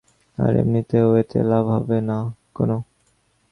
আর এমনিতেও, এতে লাভ হবে না কোনো।